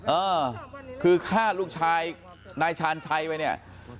เออคือฆ่าลูกชายนายชาญชัยไปเนี่ย